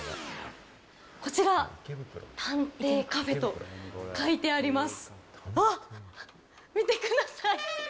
こちら、探偵カフェと書いてあります。